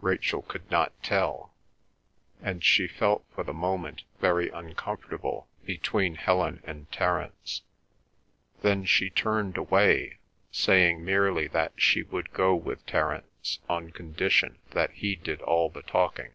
Rachel could not tell, and she felt for the moment very uncomfortable between Helen and Terence. Then she turned away, saying merely that she would go with Terence, on condition that he did all the talking.